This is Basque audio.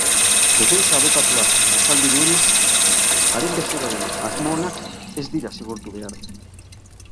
Defentsa abokatuak azaldu duenez, haren bezeroaren asmo onak ez dira zigortu behar.